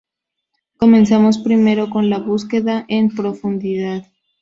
Comenzamos primero con la búsqueda en profundidad.